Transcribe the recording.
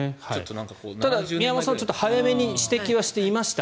ただ宮本さん早めに指摘はしていました。